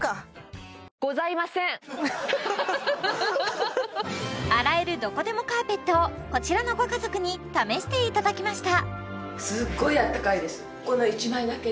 ウフフフッハハッ洗えるどこでもカーペットをこちらのご家族に試していただきました